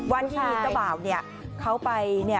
วันที่เจ้าบ่าวเนี่ยเขาไปเนี่ย